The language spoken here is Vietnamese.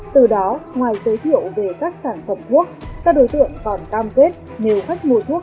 từ đó ngoài giới thiệu về các sản phẩm thuốc các đối tượng còn cam kết nếu khách mua thuốc